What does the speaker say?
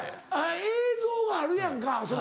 映像があるやんか。